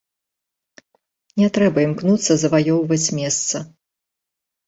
Не трэба імкнуцца заваёўваць месца.